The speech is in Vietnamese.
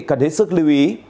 cần hết sức lưu ý